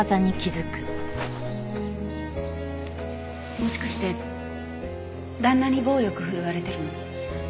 もしかして旦那に暴力振るわれてるの？